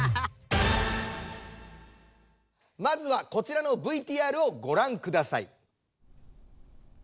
まずはこちらのＶＴＲをごらんください。